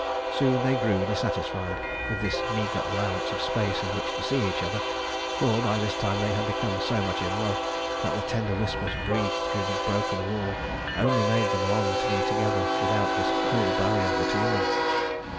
Soon they grew dissatisfied with this meager allowance of space in which to see each other, for by this time they had become so much in love that the tender whispers breathed through the broken wall only made them long to be together without this cruel barrier between them.